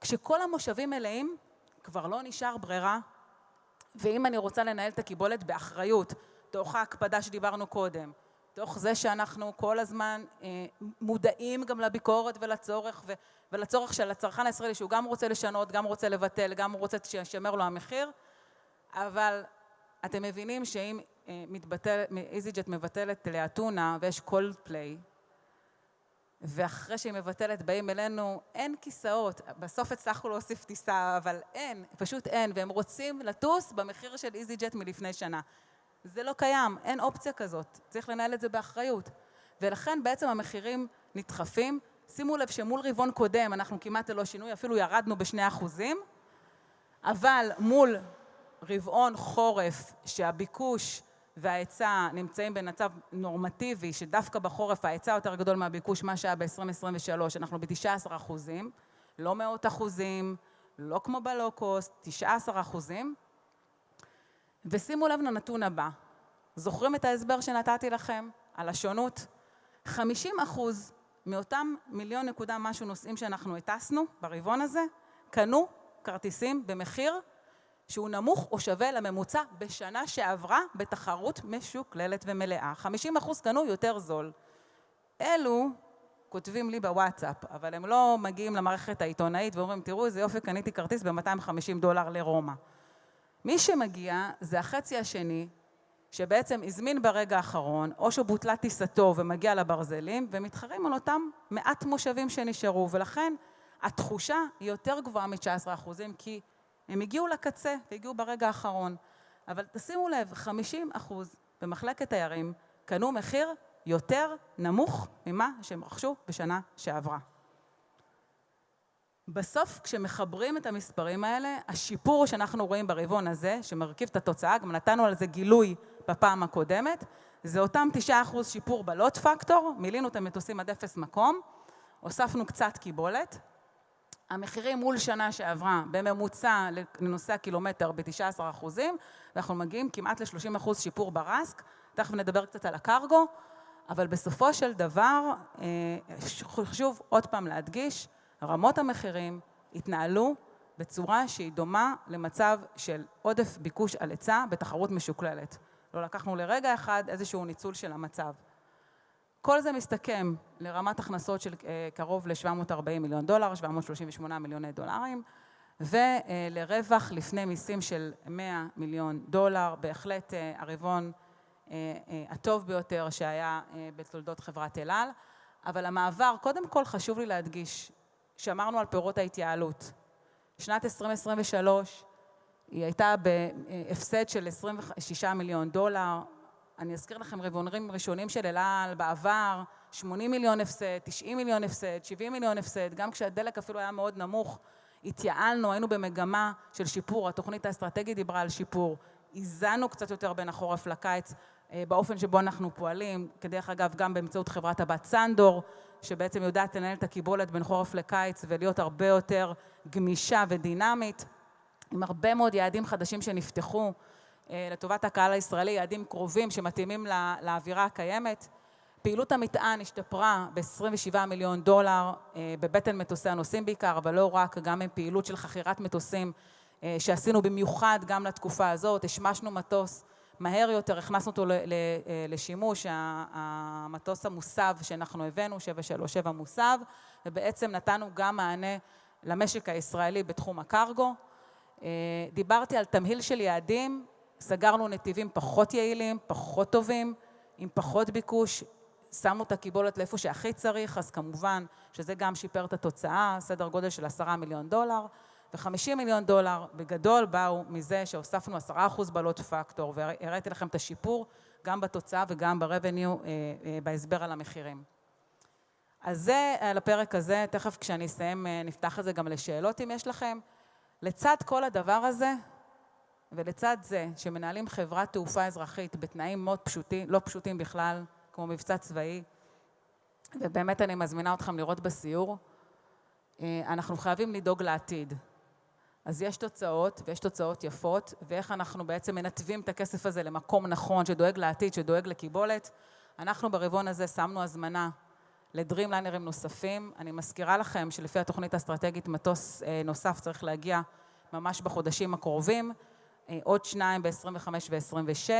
כשכל המושבים מלאים כבר לא נשאר ברירה, ואם אני רוצה לנהל את הקיבולת באחריות, תוך ההקפדה שדיברנו קודם, תוך זה שאנחנו כל הזמן מודעים גם לביקורת ולצורך של הצרכן הישראלי, שהוא גם רוצה לשנות, גם רוצה לבטל, גם רוצה שישמר לו המחיר. אבל אתם מבינים שאם מתבטל - איזי ג'ט מבטלת לאתונה ויש קולדפליי, ואחרי שהיא מבטלת באים אלינו, אין כיסאות. בסוף הצלחנו להוסיף טיסה, אבל אין, פשוט אין והם רוצים לטוס במחיר של איזי ג'ט מלפני שנה. זה לא קיים. אין אופציה כזאת. צריך לנהל את זה באחריות ולכן בעצם המחירים נדחפים. שימו לב שמול רבעון קודם אנחנו כמעט ללא שינוי, אפילו ירדנו ב-2%, אבל מול רבעון חורף, שהביקוש וההיצע נמצאים במצב נורמטיבי, שדווקא בחורף ההיצע יותר גדול מהביקוש מאשר ב-2023, אנחנו ב-19%, לא מאות אחוזים, לא כמו בלוקוסט, 19%. שימו לב לנתון הבא. זוכרים את ההסבר שנתתי לכם על השונות? 50% מאותם מיליון נקודה משהו נוסעים שאנחנו הטסנו ברבעון הזה, קנו כרטיסים במחיר שהוא נמוך או שווה לממוצע בשנה שעברה בתחרות משוקללת ומלאה. 50% קנו יותר זול. אלו כותבים לי בוואטסאפ, אבל הם לא מגיעים למערכת העיתונאית ואומרים: "תראו איזה יופי, קניתי כרטיס ב-$250 לרומא". מי שמגיע זה החצי השני שבעצם הזמין ברגע האחרון או שבוטלה טיסתו ומגיע לברזלים ומתחרים על אותם מעט מושבים שנשארו, ולכן התחושה היא יותר גבוהה מ-19%. כי הם הגיעו לקצה והגיעו ברגע האחרון. אבל תשימו לב, 50% במחלקת תיירים קנו מחיר יותר נמוך ממה שהם רכשו בשנה שעברה. בסוף, כשמחברים את המספרים האלה, השיפור שאנחנו רואים ברבעון הזה, שמרכיב את התוצאה - גם נתנו על זה גילוי בפעם הקודמת, זה אותם 9% שיפור ב-load factor. מילאנו את המטוסים עד אפס מקום. הוספנו קצת קיבולת. המחירים מול שנה שעברה בממוצע לנוסע קילומטר ב-19%, ואנחנו מגיעים כמעט ל-30% שיפור ב-RASK. תכף נדבר קצת על הקרגו, אבל בסופו של דבר, חשוב עוד פעם להדגיש - רמות המחירים התנהלו בצורה שהיא דומה למצב של עודף ביקוש על היצע בתחרות משוקללת. לא לקחנו לרגע אחד איזשהו ניצול של המצב. כל זה מסתכם לרמת הכנסות של קרוב לשבע מאות ארבעים מיליון דולר, שבע מאות שלושים ושמונה מיליוני דולרים, ולרווח לפני מיסים של מאה מיליון דולר. בהחלט הרבעון הטוב ביותר שהיה בתולדות חברת אל על. אבל המעבר - קודם כל חשוב לי להדגיש, שמרנו על פירות ההתייעלות. שנת 2023 הייתה בהפסד של עשרים ושישה מיליון דולר. אני מזכיר לכם רבעונים ראשונים של אל על בעבר, שמונים מיליון הפסד, תשעים מיליון הפסד, שבעים מיליון הפסד. גם כשהדלק אפילו היה מאוד נמוך, התייעלנו. היינו במגמה של שיפור. התוכנית האסטרטגית דיברה על שיפור. איזנו קצת יותר בין החורף לקיץ באופן שבו אנחנו פועלים, כדרך אגב, גם באמצעות חברת הבת סנדור, שבעצם יודעת לנהל את הקיבולת בין חורף לקיץ ולהיות הרבה יותר גמישה ודינמית, עם הרבה מאוד יעדים חדשים שנפתחו לטובת הקהל הישראלי. יעדים קרובים שמתאימים לאווירה הקיימת. פעילות המטען השתפרה בעשרים ושבעה מיליון דולר בבטן מטוסי הנוסעים בעיקר, אבל לא רק. גם עם פעילות של חכירת מטוסים שעשינו במיוחד גם לתקופה הזאת. השמשנו מטוס מהר יותר, הכנסנו אותו לשימוש. המטוס המוסב שאנחנו הבאנו, שבע שלוש שבע מוסב, ובעצם נתנו גם מענה למשק הישראלי בתחום הקרגו. דיברתי על תמהיל של יעדים. סגרנו נתיבים פחות יעילים, פחות טובים, עם פחות ביקוש. שמנו את הקיבולת לאיפה שהכי צריך. כמובן שזה גם שיפר את התוצאה. סדר גודל של עשרה מיליון דולר וחמישים מיליון דולר בגדול, באו מזה שהוספנו עשרה אחוז ב-load factor, והראיתי לכם את השיפור גם בתוצאה וגם ב-revenue בהסבר על המחירים. זה על הפרק הזה. תכף כשאני אסיים, נפתח את זה גם לשאלות, אם יש לכם. לצד כל הדבר הזה, ולצד זה שמנהלים חברת תעופה אזרחית בתנאים מאוד לא פשוטים בכלל, כמו מבצע צבאי, ובאמת אני מזמינה אתכם לראות בסיור. אנחנו חייבים לדאוג לעתיד. יש תוצאות ויש תוצאות יפות, ואיך אנחנו בעצם מנתבים את הכסף הזה למקום נכון שדואג לעתיד, שדואג לקיבולת? אנחנו ברבעון הזה שמנו הזמנה לדרימליינרים נוספים. אני מזכירה לכם שלפי התוכנית האסטרטגית, מטוס נוסף צריך להגיע ממש בחודשים הקרובים. עוד שניים ב-2025 ו-2026,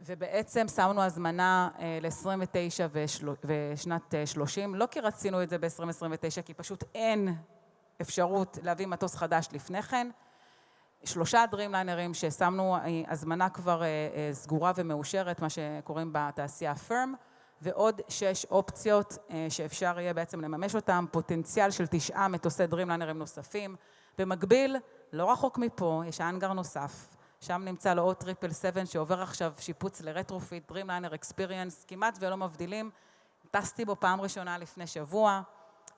ובעצם שמנו הזמנה ל-2029 ו-2030. לא כי רצינו את זה ב-2029, כי פשוט אין אפשרות להביא מטוס חדש לפני כן. שלושה דרימליינרים ששמנו הזמנה כבר סגורה ומאושרת, מה שקוראים בתעשייה Firm, ועוד שש אופציות שאפשר יהיה בעצם לממש אותם. פוטנציאל של תשעה מטוסי דרימליינר נוספים. במקביל, לא רחוק מפה יש האנגר נוסף. שם נמצא לו עוד טריפל סבן שעובר עכשיו שיפוץ לרטרופיט דרימליינר אקספיריאנס. כמעט ולא מבדילים. טסתי בו פעם ראשונה לפני שבוע.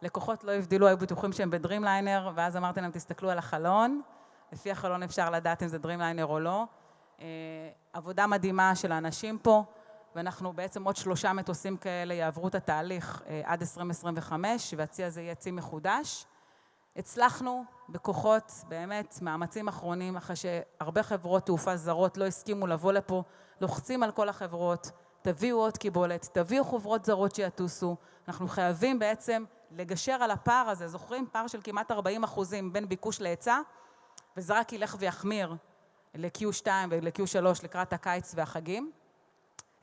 לקוחות לא הבחינו. היו בטוחים שהם בדרימליינר ואז אמרתי להם תסתכלו על החלון. לפי החלון אפשר לדעת אם זה דרימליינר או לא. עבודה מדהימה של האנשים פה ואנחנו בעצם עוד שלושה מטוסים כאלה יעברו את התהליך עד 2025 והצי הזה יהיה צי מחודש. הצלחנו בכוחות, באמת מאמצים אחרונים, אחרי שהרבה חברות תעופה זרות לא הסכימו לבוא לפה. לוחצים על כל החברות. תביאו עוד קיבולת, תביאו חברות זרות שיטוסו. אנחנו חייבים בעצם לגשר על הפער הזה. זוכרים פער של כמעט 40% בין ביקוש להיצע? וזה רק ילך ויחמיר לרבעון השני ולרבעון השלישי לקראת הקיץ והחגים.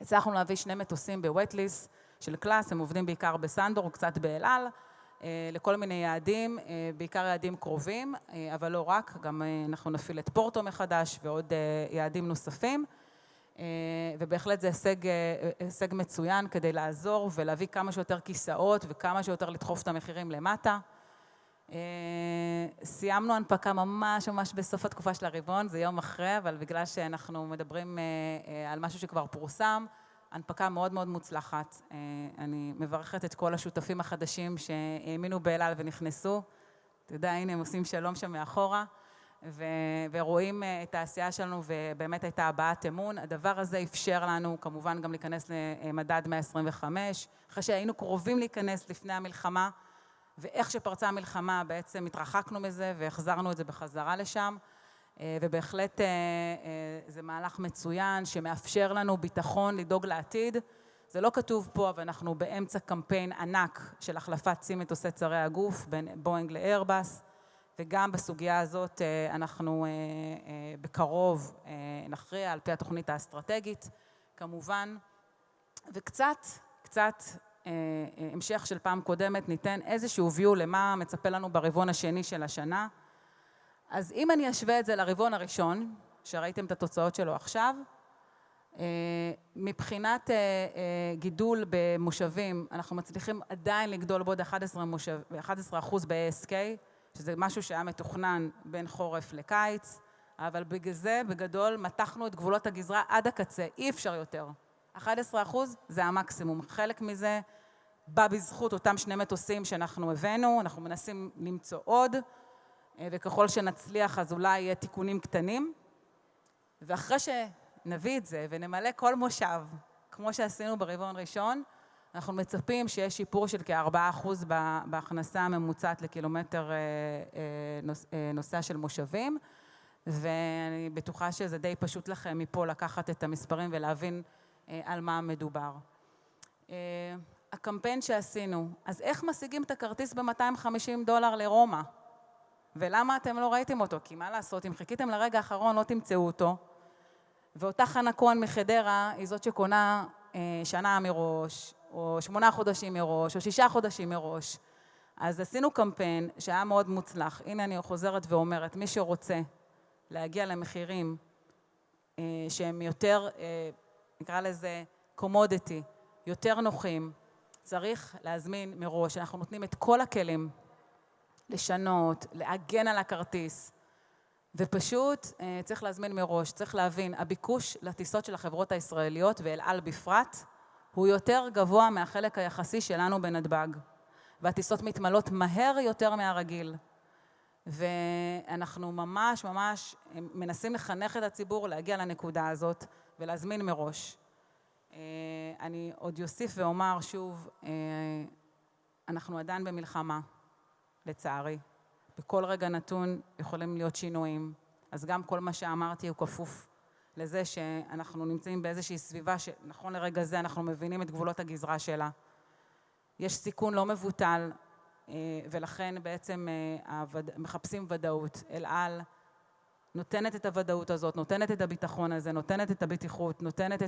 הצלחנו להביא שני מטוסים בווט ליסט של קלאס. הם עובדים בעיקר בסנדור, קצת באל על לכל מיני יעדים, בעיקר יעדים קרובים, אבל לא רק. גם אנחנו נפעיל את פורטו מחדש ועוד יעדים נוספים, ובהחלט זה הישג, הישג מצוין כדי לעזור ולהביא כמה שיותר כיסאות וכמה שיותר לדחוף את המחירים למטה. סיימנו הנפקה ממש בסוף התקופה של הרבעון. זה יום אחרי. אבל בגלל שאנחנו מדברים על משהו שכבר פורסם, הנפקה מאוד מוצלחת. אני מברכת את כל השותפים החדשים שהאמינו באל על ונכנסו. תודה! הנה הם עושים שלום שם מאחורה ורואים את העשייה שלנו ובאמת הייתה הבעת אמון. הדבר הזה אפשר לנו כמובן גם להיכנס למדד 125, אחרי שהיינו קרובים להיכנס לפני המלחמה, וכשפרצה המלחמה בעצם התרחקנו מזה והחזרנו את זה בחזרה לשם. ובהחלט זה מהלך מצוין שמאפשר לנו ביטחון לדאוג לעתיד. זה לא כתוב פה, אבל אנחנו באמצע קמפיין ענק של החלפת צי מטוסי צרי הגוף בין בואינג לאיירבס, וגם בסוגיה הזאת אנחנו בקרוב נכריע על פי התוכנית האסטרטגית. כמובן, וקצת המשך של פעם קודמת ניתן איזשהו ביואו למה מצפה לנו ברבעון השני של השנה. אז אם אני אשווה את זה לרבעון הראשון שראיתם את התוצאות שלו עכשיו, מבחינת גידול במושבים אנחנו מצליחים עדיין לגדול בעוד 11% באס קיי, שזה משהו שהיה מתוכנן בין חורף לקיץ. אבל בגלל זה בגדול מתחנו את גבולות הגזרה עד הקצה. אי אפשר יותר. 11% זה המקסימום. חלק מזה בא בזכות אותם שני מטוסים שאנחנו הבאנו. אנחנו מנסים למצוא עוד, וככל שנצליח אז אולי יהיה תיקונים קטנים ואחרי שנביא את זה ונמלא כל מושב כמו שעשינו ברבעון הראשון, אנחנו מצפים שיהיה שיפור של כ-4% בהכנסה הממוצעת לקילומטר נוסע של מושבים, ואני בטוחה שזה די פשוט לכם מפה לקחת את המספרים ולהבין על מה מדובר. הקמפיין שעשינו. אז איך משיגים את הכרטיס ב-$250 לרומא? ולמה אתם לא ראיתם אותו? כי מה לעשות, אם חיכיתם לרגע האחרון לא תמצאו אותו. ואותה חנה כהן מחדרה היא זאת שקונה שנה מראש, או שמונה חודשים מראש, או שישה חודשים מראש. אז עשינו קמפיין שהיה מאוד מוצלח. הנה אני חוזרת ואומרת מי שרוצה להגיע למחירים שהם יותר, נקרא לזה קומודיטי יותר נוחים, צריך להזמין מראש. אנחנו נותנים את כל הכלים לשנות, לעגן על הכרטיס ופשוט צריך להזמין מראש. צריך להבין, הביקוש לטיסות של החברות הישראליות ואל על בפרט, הוא יותר גבוה מהחלק היחסי שלנו בנתב"ג, והטיסות מתמלאות מהר יותר מהרגיל, ואנחנו ממש ממש מנסים לחנך את הציבור להגיע לנקודה הזאת ולהזמין מראש. אני עוד אוסיף ואומר שוב אנחנו עדיין במלחמה. לצערי, בכל רגע נתון יכולים להיות שינויים, אז גם כל מה שאמרתי הוא כפוף לזה שאנחנו נמצאים באיזושהי סביבה, שנכון לרגע זה אנחנו מבינים את גבולות הגזרה שלה. יש סיכון לא מבוטל ולכן בעצם מחפשים וודאות. אל על נותנת את הוודאות הזאת, נותנת את הביטחון הזה, נותנת את הבטיחות, נותנת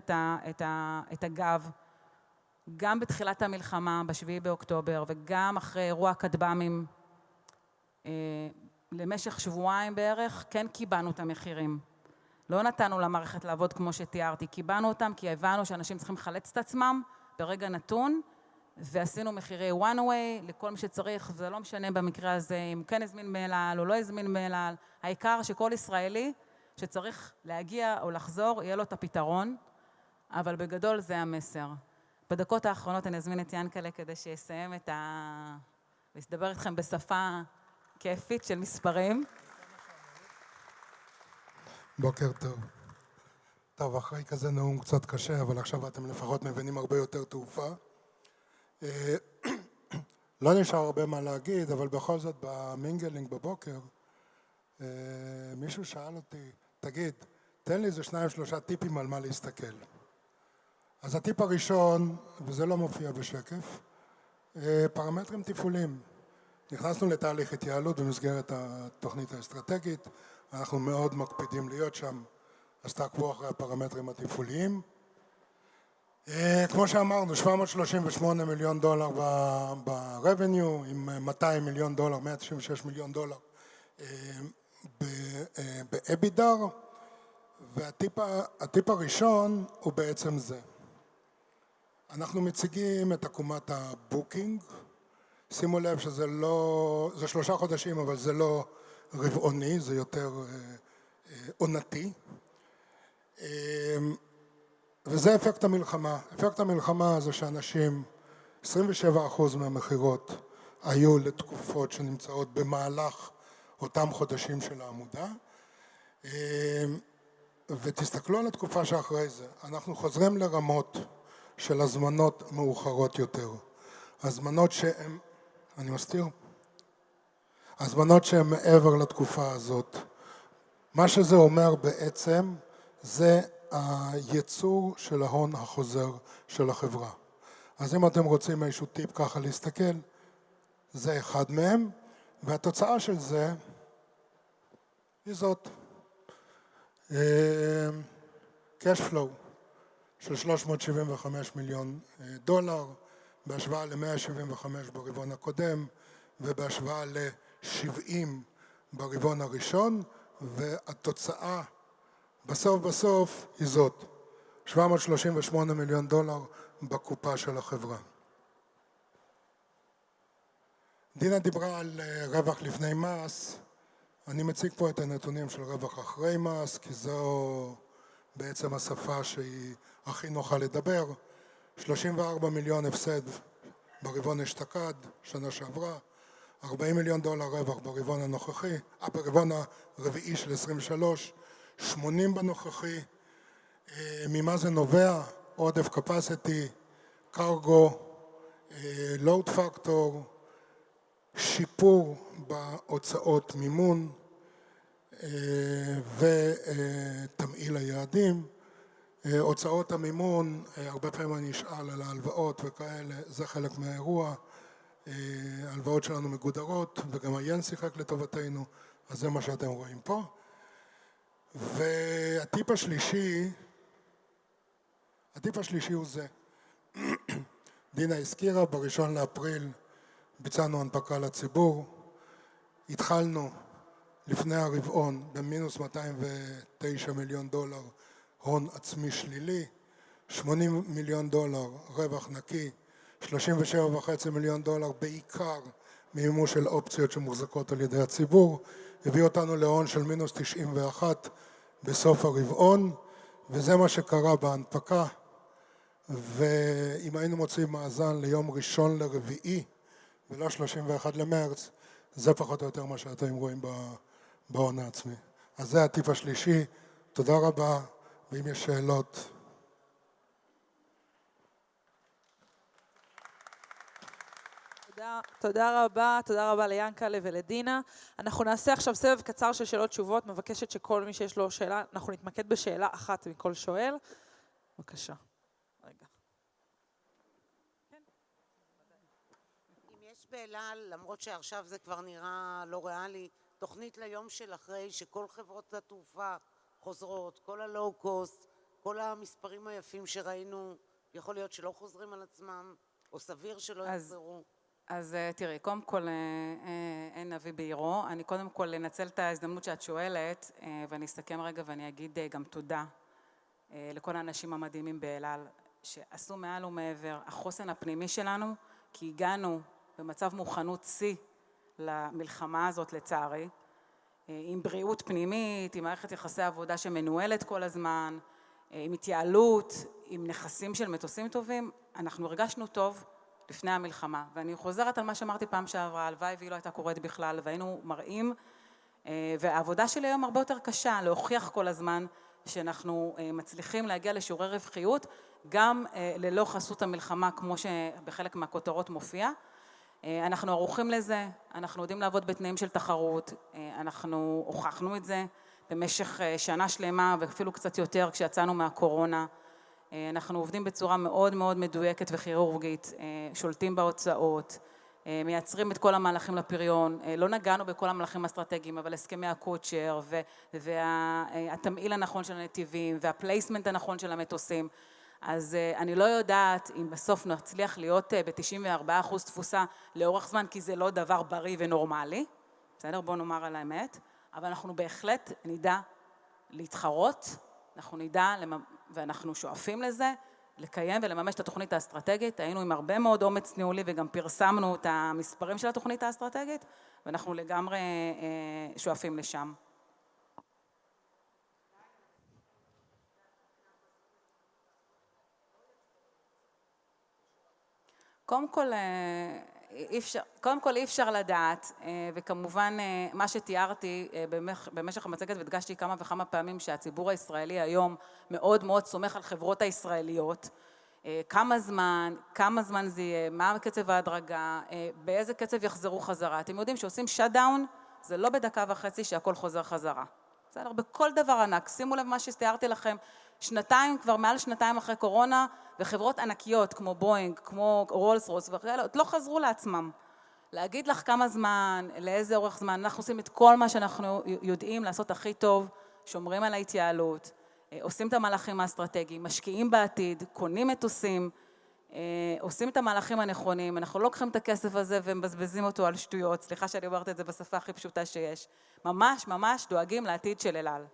את הגב. גם בתחילת המלחמה בשביעי באוקטובר וגם אחרי אירוע הכטב"מים. למשך שבועיים בערך קיבענו את המחירים. לא נתנו למערכת לעבוד כמו שתיארתי. קיבענו אותם כי הבנו שאנשים צריכים לחלץ את עצמם ברגע נתון ועשינו מחירי וואן ווי לכל מי שצריך. זה לא משנה במקרה הזה אם הזמין מאל על או לא הזמין מאל על. העיקר שכל ישראלי שצריך להגיע או לחזור יהיה לו את הפתרון. אבל בגדול זה המסר. בדקות האחרונות אני אזמין את ינקלה כדי שיסיים ויסדר אתכם בשפה יפה של מספרים. בוקר טוב. טוב, אחרי כזה נאום קצת קשה, אבל עכשיו אתם לפחות מבינים הרבה יותר תעופה. לא נשאר הרבה מה להגיד, אבל בכל זאת במינגלינג בבוקר מישהו שאל אותי, "תגיד, תן לי איזה שניים שלושה טיפים על מה להסתכל?" אז הטיפ הראשון, וזה לא מופיע בשקף, פרמטרים תפעוליים. נכנסנו לתהליך התייעלות במסגרת התוכנית האסטרטגית. אנחנו מאוד מקפידים להיות שם, אז תעקבו אחרי הפרמטרים התפעוליים. כמו שאמרנו, $738 מיליון ברווח עם $200 מיליון, $196 מיליון ב-EBITDAR והטיפ הראשון הוא בעצם זה. אנחנו מציגים את עקומת הבוקינג. שימו לב שזה לא זה שלושה חודשים, אבל זה לא רבעוני, זה יותר עונתי. וזה אפקט המלחמה. אפקט המלחמה זה שאנשים, 27% מהמכירות היו לתקופות שנמצאות במהלך אותם חודשים של העמודה. ותסתכלו על התקופה שאחרי זה. אנחנו חוזרים לרמות של הזמנות מאוחרות יותר. הזמנות שהן אני מסתיר? הזמנות שהן מעבר לתקופה הזאת. מה שזה אומר בעצם, זה הייצור של ההון החוזר של החברה. אז אם אתם רוצים איזשהו טיפ ככה להסתכל, זה אחד מהם, והתוצאה של זה היא זאת. תזרים מזומנים של $375 מיליון בהשוואה ל-$175 מיליון ברבעון הקודם ובהשוואה ל-$70 מיליון ברבעון הראשון, והתוצאה בסוף בסוף היא זאת: $738 מיליון בקופה של החברה. דינה דיברה על רווח לפני מס. אני מציג פה את הנתונים של רווח אחרי מס, כי זו בעצם השפה שהיא הכי נוחה לדבר. $34 מיליון הפסד ברבעון השתקד, שנה שעברה, $40 מיליון רווח ברבעון הנוכחי, ברבעון הרביעי של 2023, $80 מיליון בנוכחי. ממה זה נובע? עודף capacity, cargo, load factor, שיפור בהוצאות מימון, ותמהיל היעדים. הוצאות המימון. הרבה פעמים אני נשאל על ההלוואות וכאלה. זה חלק מהאירוע. ההלוואות שלנו מגודרות וגם השער שיחק לטובתנו. אז זה מה שאתם רואים פה. והטיפ השלישי, הטיפ השלישי הוא זה. דינה הזכירה, בראשון לאפריל ביצענו הנפקה לציבור. התחלנו לפני הרבעון במינוס $209 מיליון הון עצמי שלילי, $80 מיליון רווח נקי, $37.5 מיליון, בעיקר מימוש של אופציות שמוחזקות על ידי הציבור, הביא אותנו להון של מינוס $91 בסוף הרבעון, וזה מה שקרה בהנפקה. אם היינו מוציאים מאזן ליום ראשון לרביעי ולא שלושים ואחד למרץ, זה פחות או יותר מה שאתם רואים בהון העצמי. אז זה הטיפ השלישי. תודה רבה, ואם יש שאלות. תודה. תודה רבה. תודה רבה לינקל'ה ולדינה. אנחנו נעשה עכשיו סבב קצר של שאלות ותשובות. מבקשת שכל מי שיש לו שאלה - אנחנו נתמקד בשאלה אחת מכל שואל. בבקשה. רגע. כן. אם יש באל-על, למרות שעכשיו זה כבר נראה לא ריאלי, תוכנית ליום שאחרי שכל חברות התעופה חוזרות, כל הלואו קוסט, כל המספרים היפים שראינו, יכול להיות שלא חוזרים על עצמם או סביר שלא יחזרו? אז תראי, קודם כל אין נביא בעירו. אני קודם כל אנצל את ההזדמנות שאת שואלת ואני אסכם רגע ואני אגיד גם תודה לכל האנשים המדהימים באל על שעשו מעל ומעבר. החוסן הפנימי שלנו, כי הגענו במצב מוכנות שיא למלחמה הזאת, לצערי, עם בריאות פנימית, עם מערכת יחסי עבודה שמנוהלת כל הזמן, עם התייעלות, עם נכסים של מטוסים טובים. אנחנו הרגשנו טוב לפני המלחמה ואני חוזרת על מה שאמרתי פעם שעברה. הלוואי והיא לא הייתה קורית בכלל והיינו מראים והעבודה שלי היום הרבה יותר קשה, להוכיח כל הזמן שאנחנו מצליחים להגיע לשיעורי רווחיות גם ללא חסות המלחמה, כמו שבחלק מהכותרות מופיע. אנחנו ערוכים לזה. אנחנו יודעים לעבוד בתנאים של תחרות. אנחנו הוכחנו את זה במשך שנה שלמה ואפילו קצת יותר, כשיצאנו מהקורונה. אנחנו עובדים בצורה מאוד מדויקת וכירורגית, שולטים בהוצאות, מייצרים את כל המהלכים לפריון. לא נגענו בכל המהלכים האסטרטגיים, אבל הסכמי הקודשאר והתמהיל הנכון של הנתיבים והמיקום הנכון של המטוסים. אז אני לא יודעת אם בסוף נצליח להיות בתשעים וארבעה אחוז תפוסה לאורך זמן, כי זה לא דבר בריא ונורמלי. בסדר? בואו נאמר את האמת, אבל אנחנו בהחלט נדע להתחרות. אנחנו נדע לממש ואנחנו שואפים לזה, לקיים ולממש את התוכנית האסטרטגית. היינו עם הרבה מאוד אומץ ניהולי וגם פרסמנו את המספרים של התוכנית האסטרטגית ואנחנו לגמרי שואפים לשם. קודם כל, אי אפשר לדעת. וכמובן, מה שתיארתי במשך המצגת והדגשתי כמה וכמה פעמים שהציבור הישראלי היום מאוד, מאוד סומך על החברות הישראליות. כמה זמן זה יהיה? מה קצב ההדרגה? באיזה קצב יחזרו חזרה? אתם יודעים כשעושים shutdown זה לא בדקה וחצי שהכל חוזר חזרה. בסדר? בכל דבר ענק. שימו לב מה שתיארתי לכם, שנתיים כבר, מעל שנתיים אחרי קורונה, וחברות ענקיות כמו בואינג, כמו רולס רויס ואחרות, עוד לא חזרו לעצמן. להגיד לך כמה זמן, לאיזה אורך זמן? אנחנו עושים את כל מה שאנחנו יודעים לעשות הכי טוב, שומרים על ההתייעלות, עושים את המהלכים האסטרטגיים, משקיעים בעתיד, קונים מטוסים, עושים את המהלכים הנכונים. אנחנו לא לוקחים את הכסף הזה ומבזבזים אותו על שטויות. סליחה שאני אומרת את זה בשפה הכי פשוטה שיש. ממש, ממש דואגים לעתיד של אל על.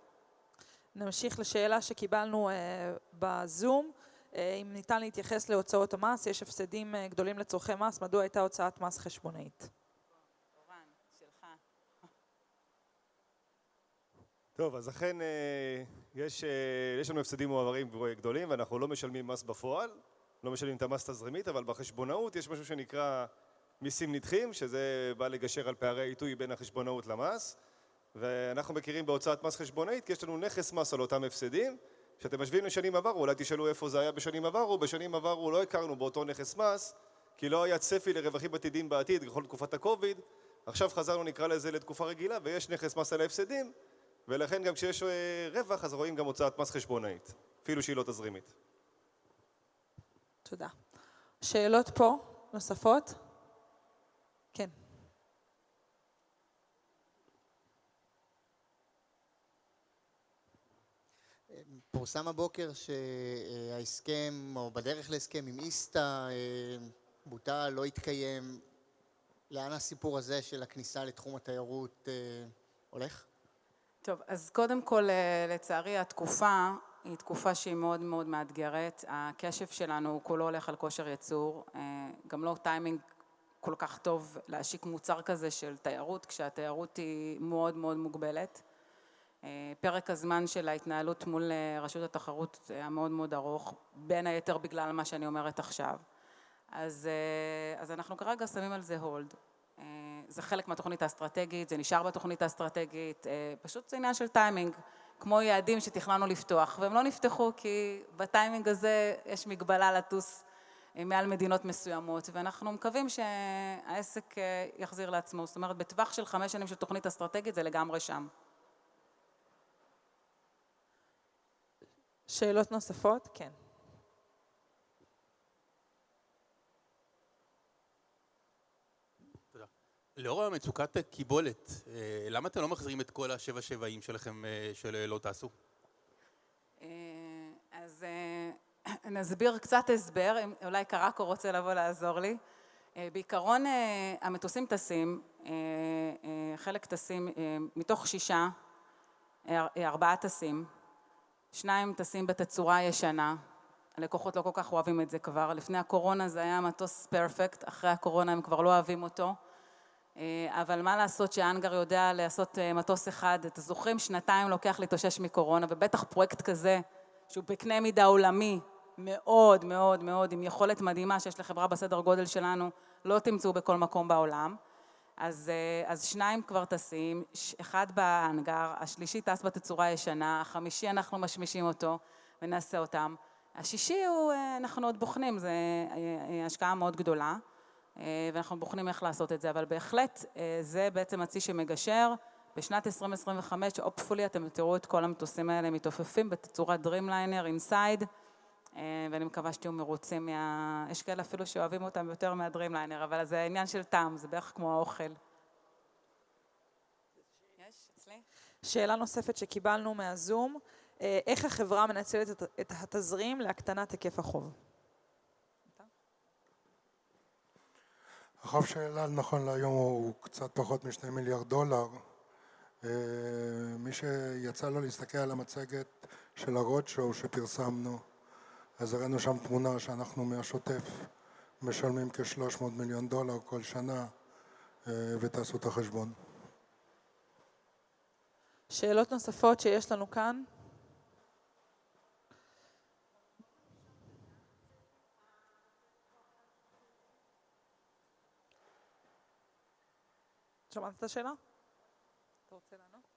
נמשיך לשאלה שקיבלנו בזום. אם ניתן להתייחס להוצאות המס. יש הפסדים גדולים לצורכי מס. מדוע הייתה הוצאת מס חשבונאית? אורן, שלך. טוב, אז אכן יש לנו הפסדים מועברים גדולים ואנחנו לא משלמים מס בפועל. לא משלמים את המס התזרימית, אבל בחשבונאות יש משהו שנקרא מיסים נדחים, שזה בא לגשר על פערי עיתוי בין החשבונאות למס. ואנחנו מכירים בהוצאת מס חשבונאית כי יש לנו נכס מס על אותם הפסדים שאתם משווים לשנים עברו. אולי תשאלו איפה זה היה בשנים עברו? בשנים עברו לא הכרנו באותו נכס מס, כי לא היה צפי לרווחים עתידיים בעתיד לאורך תקופת הקוביד. עכשיו חזרנו, נקרא לזה לתקופה רגילה, ויש נכס מס על ההפסדים ולכן גם כשיש רווח אז רואים גם הוצאת מס חשבונאית אפילו שהיא לא תזרימית. תודה. שאלות נוספות פה? כן. פורסם הבוקר שההסכם או בדרך להסכם עם איסתא בוטל, לא התקיים. לאן הסיפור הזה של הכניסה לתחום התיירות הולך? טוב, אז קודם כל, לצערי התקופה היא תקופה שהיא מאוד, מאוד מאתגרת. הקשב שלנו כולו הולך על כושר ייצור. גם לא טיימינג כל כך טוב להשיק מוצר כזה של תיירות כשהתיירות היא מאוד, מאוד מוגבלת. פרק הזמן של ההתנהלות מול רשות התחרות היה מאוד, מאוד ארוך. בין היתר בגלל מה שאני אומרת עכשיו. אז אנחנו כרגע שמים על זה הולד. זה חלק מהתוכנית האסטרטגית. זה נשאר בתוכנית האסטרטגית. פשוט זה עניין של טיימינג. כמו יעדים שתכננו לפתוח והם לא נפתחו כי בטיימינג הזה יש מגבלה לטוס מעל מדינות מסוימות, ואנחנו מקווים שהעסק יחזיר לעצמו. זאת אומרת, בטווח של חמש שנים של תוכנית אסטרטגית זה לגמרי שם. שאלות נוספות? כן. תודה. לאור מצוקת הכיבולת, למה אתם לא מחזירים את כל השבעים שלכם שלא טסו? אז נסביר קצת הסבר. אולי קרקו רוצה לבוא לעזור לי? בעיקרון, המטוסים טסים, חלק טסים - מתוך שישה, ארבעה טסים, שניים טסים בתצורה ישנה. הלקוחות לא כל כך אוהבים את זה כבר. לפני הקורונה זה היה מטוס פרפקט. אחרי הקורונה הם כבר לא אוהבים אותו. אבל מה לעשות שהאנגר יודע לעשות מטוס אחד? אתם זוכרים, שנתיים לוקח להתאושש מקורונה, ובטח פרויקט כזה שהוא בקנה מידה עולמי מאוד, מאוד, מאוד, עם יכולת מדהימה שיש לחברה בסדר גודל שלנו לא תמצאו בכל מקום בעולם. אז שניים כבר טסים, אחד בהאנגר, השלישי טס בתצורה הישנה, החמישי אנחנו משמישים אותו ונעשה אותם. השישי הוא, אנחנו עוד בוחנים. זה השקעה מאוד גדולה, ואנחנו בוחנים איך לעשות את זה, אבל בהחלט זה בעצם הציר שמגשר. בשנת 2025, hopefully אתם תראו את כל המטוסים האלה מתעופפים בתצורת דרימליינר אינסייד, ואני מקווה שתהיו מרוצים מה-- יש כאלה אפילו שאוהבים אותם יותר מהדרימליינר, אבל זה עניין של טעם. זה בערך כמו האוכל. יש אצלי שאלה נוספת שקיבלנו מהזום. איך החברה מנצלת את התזרים להקטנת היקף החוב? החוב של אל על נכון להיום הוא קצת פחות משתי מיליארד דולר. מי שיצא לו להסתכל על המצגת של הרוד שואו שפרסמנו, הראנו שם תמונה שאנחנו מהשוטף משלמים כ-$300 מיליון כל שנה, ותעשו את החשבון. שאלות נוספות שיש לנו כאן? שמעת את השאלה? אתה רוצה לענות?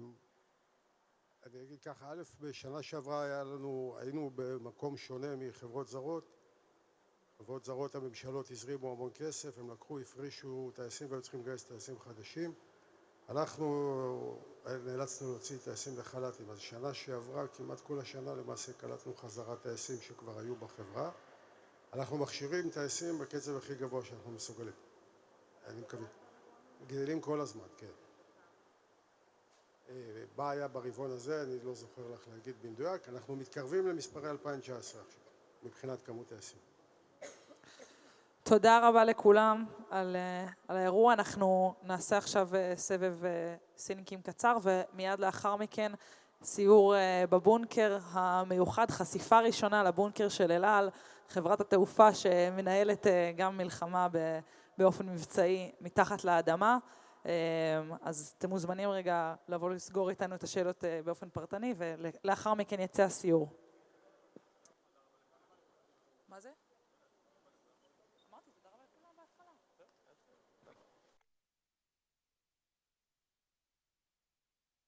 אמ, אני אגיד ככה. אלף, בשנה שעברה היה לנו-- היינו במקום שונה מחברות זרות, חברות זרות, הממשלות הזרימו המון כסף. הם לקחו, הפרישו טייסים, לא היו צריכים לגייס טייסים חדשים. אנחנו נאלצנו להוציא טייסים בחל"תים. אז שנה שעברה, כמעט כל השנה, למעשה קלטנו חזרה טייסים שכבר היו בחברה. אנחנו מכשירים טייסים בקצב הכי גבוה שאנחנו מסוגלים. אני מקווה-- גדלים כל הזמן. כן. בעיה ברבעון הזה אני לא זוכר לך להגיד בדיוק. אנחנו מתקרבים למספרי 2019 מבחינת כמות טייסים. תודה רבה לכולם על האירוע. אנחנו נעשה עכשיו סבב שאלות קצר ומיד לאחר מכן סיור בבונקר המיוחד. חשיפה ראשונה לבונקר של אל על, חברת התעופה שמנהלת גם מלחמה באופן מבצעי מתחת לאדמה. אז אתם מוזמנים רגע לבוא לסגור איתנו את השאלות באופן פרטני ולאחר מכן ייצא הסיור. מה זה? אמרתי תודה לכולם בהתחלה. טוב.